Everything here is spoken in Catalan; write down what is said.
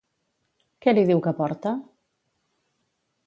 Què li diu que porta?